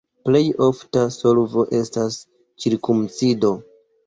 Plej ofta solvo estas cirkumcido.